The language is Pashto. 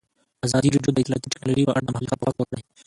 ازادي راډیو د اطلاعاتی تکنالوژي په اړه د محلي خلکو غږ خپور کړی.